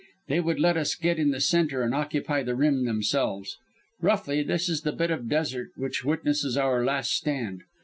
They would get us in the centre and occupy the rim themselves. Roughly, this is the bit of desert which witnesses our 'last stand.'